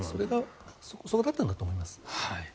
そうだったんだと思います。